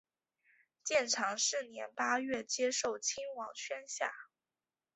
建长四年八月接受亲王宣下。